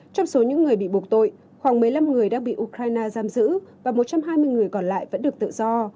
trong số những người bị buộc tội khoảng một mươi năm người đang bị ukraine giam giữ và một trăm hai mươi người còn lại vẫn được tự do